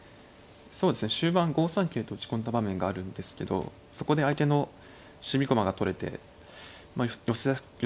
そうですね終盤５三桂と打ち込んだ場面があるんですけどそこで相手の守備駒が取れて寄せやすくなったかなと思いました。